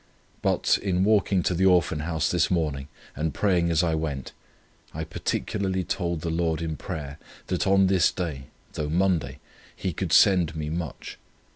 But, in walking to the Orphan House this morning, and praying as I went, I particularly told the Lord in prayer, that on this day, though Monday, He could send me much.